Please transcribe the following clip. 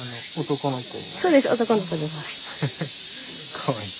かわいい。